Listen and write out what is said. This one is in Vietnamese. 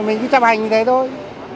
mình cứ chấp hành như thế thôi